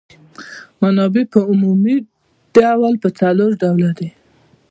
منابع په عمومي ډول په څلور ډوله دي.